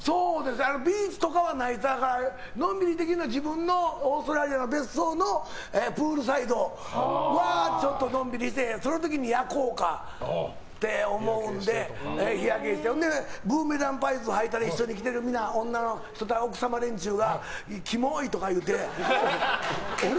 ビーチとかではないからのんびりできるのは自分のオーストラリアの別荘のプールサイドはのんびりしてその時に焼こうかって思って日焼けしてブーメランパンツ着てたら一緒に来てる奥様連中がキモい！って言って。